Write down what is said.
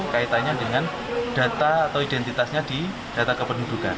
kaitannya dengan data atau identitasnya di data kependudukan